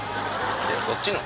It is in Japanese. そっちの？